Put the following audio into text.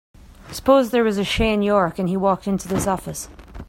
Suppose there was a Shane York and he walked into this office.